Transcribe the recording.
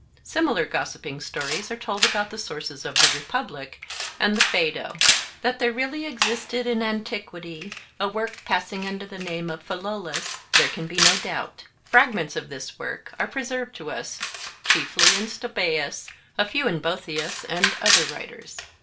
Similar gossiping stories are told about the sources of the Republic and the Phaedo. That there really existed in antiquity a work passing under the name of Philolaus there can be no doubt. Fragments of this work are preserved to us, chiefly in Stobaeus, a few in Boethius and other writers.